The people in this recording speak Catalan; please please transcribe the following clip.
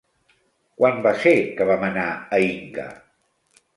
Quan va ser que vam anar a Inca?